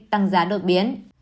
tăng giá đột biến